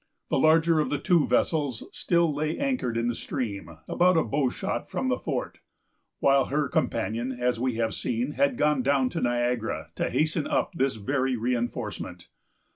The larger of the two vessels still lay anchored in the stream, about a bow shot from the fort, while her companion, as we have seen, had gone down to Niagara to hasten up this very re enforcement.